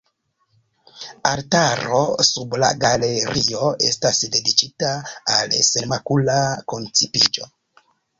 Altaro sub la galerio estas dediĉita al Senmakula Koncipiĝo.